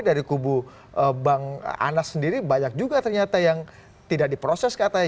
dari kubu bang anas sendiri banyak juga ternyata yang tidak diproses katanya